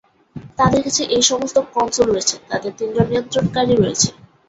তাদের কাছে এই সমস্ত কনসোল রয়েছে, তাদের তিনজন নিয়ন্ত্রণকারী রয়েছে।